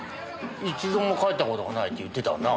一度も帰った事がないって言ってたよな。